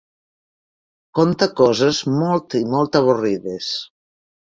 Conta coses molt i molt avorrides.